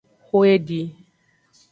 Xo edi.